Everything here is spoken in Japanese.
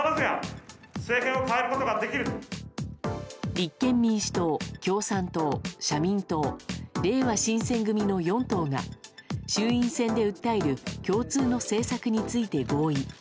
立憲民主党、共産党、社民党れいわ新選組の４党が衆院選で訴える共通の政策について合意。